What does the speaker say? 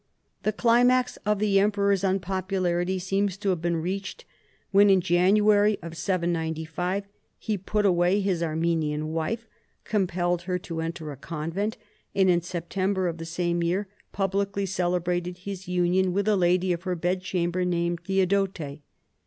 The climax of the emperor's unpopularity seems to have been reached when (in January 795) he put away his Armenian wife, compelling her to enter a convent, and in September of the same yearpublicl}'' celebrated his union with a lady of her bedchamber named Theodote.